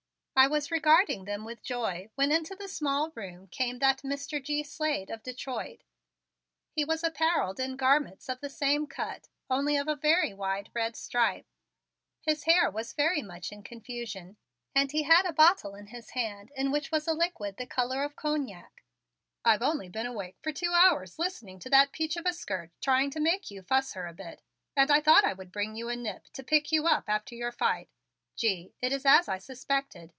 I was regarding them with joy when into the small room came that Mr. G. Slade of Detroit. He was appareled in garments of the same cut only of a very wide red stripe, his hair was very much in confusion and he had a bottle in his hand in which was a liquid the color of cognac. "I've only been awake for two hours listening to that peach of a skirt trying to make you fuss her a bit, and I thought I would bring you a nip to pick you up after your fight. Gee, it is as I suspected.